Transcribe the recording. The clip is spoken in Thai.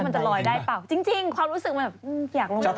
อันที่มันไม่ใช่แนวอันที่มันไม่ใช่แนวอันที่มันไม่ใช่แนว